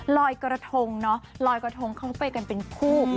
ลอยกระทงเนาะลอยกระทงเขาไปกันเป็นคู่